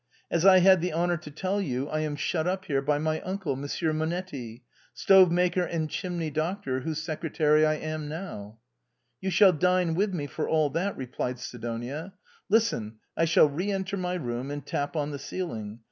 As I had the honor to tell you, I am shut up here by my uncle. Monsieur Monet ti, stove maker and chimney doctor, whose secretary I now am." " You shall dine with me for all that," replied Sidonia. " Listen : I shall re enter my room, and tap on the ceiling.